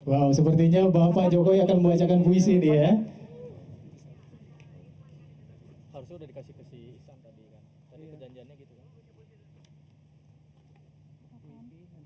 wow sepertinya bapak jokowi akan membacakan puisi ini ya